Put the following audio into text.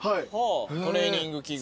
トレーニング器具。